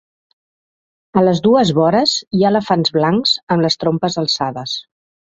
A les dues vores hi ha elefants blancs amb les trompes alçades.